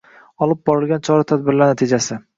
Olib borilgan chora-tadbirlar natijasi